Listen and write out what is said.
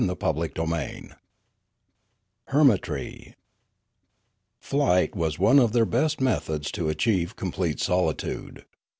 CHAPTER IV HERMITRY FLIGHT was one of their best methods too of achieving complete solitude.